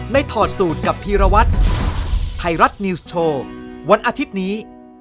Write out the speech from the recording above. ถอดสูตรกับพีรวัตรไทยรัฐนิวส์โชว์วันอาทิตย์นี้